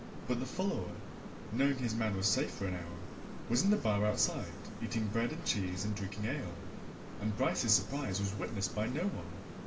But the follower, knowing his man was safe for an hour, was in the bar outside eating bread and cheese and drinking ale, and Bryce's surprise was witnessed by no one.